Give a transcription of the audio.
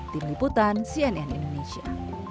tim liputan cnn indonesia